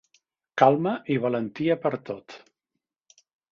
Calma i valentia per a tot.